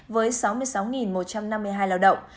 với sáu mươi sáu một trăm năm mươi hai lao động